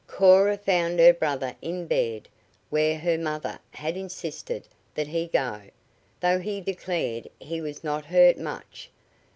Cora found her brother in bed, where her mother had insisted that he go, though he declared he was not hurt much.